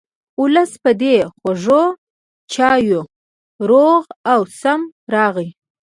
ولس په دې خوږو چایو روغ او سم راغی.